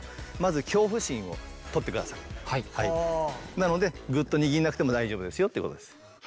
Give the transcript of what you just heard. なのでグッと握んなくても大丈夫ですよってことです。